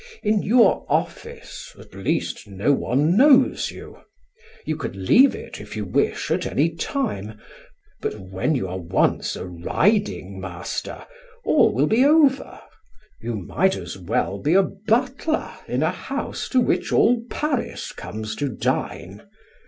In your office at least no one knows you; you can leave it if you wish to at any time. But when you are once a riding master all will be over. You might as well be a butler in a house to which all Paris comes to dine.